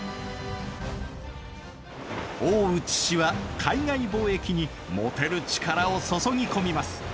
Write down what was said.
大内氏は海外貿易に持てる力を注ぎ込みます。